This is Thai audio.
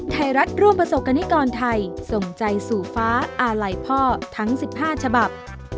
ไทยรัฐร่วมประสบกรณิกรไทยส่งใจสู่ฟ้าอาลัยพ่อทั้ง๑๕ฉบับ